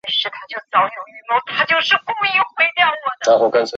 阿正把杯面设计成一个令人想拥抱的可爱外观。